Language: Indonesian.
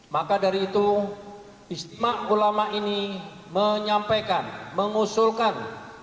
maka dari itu istimewa ulama ini menyampaikan mengusulkan